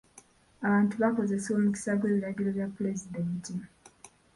Abantu bakozesa omukisa gw'ebiragiro bya pulezidenti.